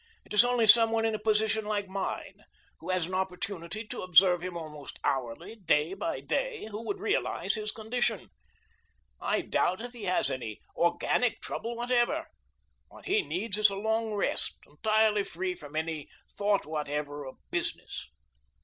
It is only some one in a position like mine, who has an opportunity to observe him almost hourly, day by day, who would realize his condition. I doubt if he has any organic trouble whatever. What he needs is a long rest, entirely free from any thought whatever of business.